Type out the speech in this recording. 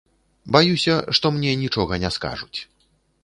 Баюся, што мне нічога не скажуць.